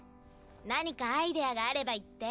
何かアイデアがあれば言って。